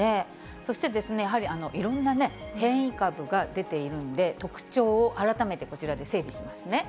そしてやはり、いろんな変異株が出ているんで、特徴を改めてこちらで整理しますね。